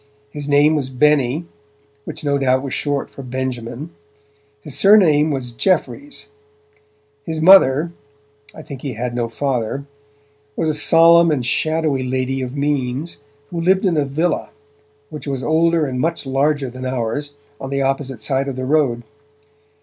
His name was Benny, which no doubt was short for Benjamin. His surname was Jeffries; his mother I think he had no father was a solemn and shadowy lady of means who lived in a villa, which was older and much larger than ours, on the opposite side of the road.